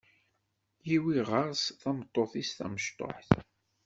Yiwi ɣer-s tameṭṭut-is tamecṭuḥt.